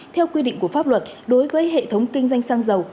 theo quy định của pháp luật đối với hệ thống kinh doanh xăng dầu